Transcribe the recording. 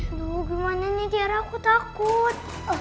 aduh gimana nih biar aku takut